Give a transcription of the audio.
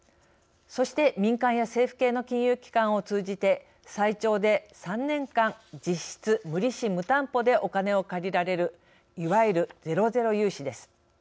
そして民間や政府系の金融機関を通じて最長で３年間実質無利子・無担保でお金を借りられるいわゆるゼロゼロ融資です。